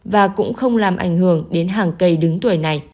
và cũng không làm ảnh hưởng đến hàng cây đứng tuổi này